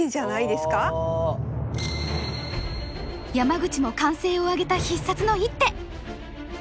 山口も歓声を上げた必殺の一手。